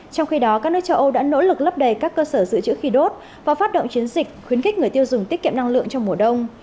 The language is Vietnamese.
trong khi đó các nước châu âu đã nỗ lực lấp đầy các cơ sở dự trữ khí đốt và phát động chiến dịch khuyến khích người tiêu dùng tiết kiệm năng lượng trong mùa đông